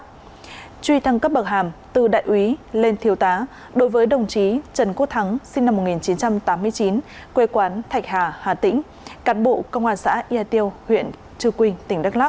truy thăng cấp bậc hàm từ đại úy lên thiếu tá đối với đồng chí trần quốc thắng sinh năm một nghìn chín trăm tám mươi chín quê quán thạch hà hà tĩnh cán bộ công an xã yà tiêu huyện trư quynh tỉnh đắk lắc